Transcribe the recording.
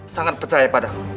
sangat percaya padaku